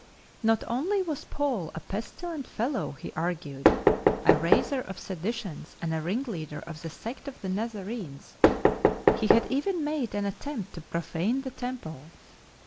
Not only was Paul a pestilent fellow, he argued, a raiser of seditions and a ringleader of the sect of the Nazarenes; he had even made an attempt to profane the Temple.